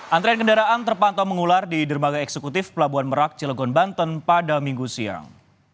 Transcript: antrean kendaraan terpantau mengular di dermaga eksekutif pelabuhan merak cilegon banten pada minggu siang